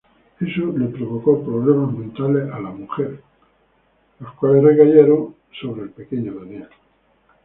Eso le provocó problemas mentales a la mujer que cayeron en el pequeño Daniel.